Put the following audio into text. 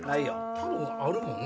多分あるもんね。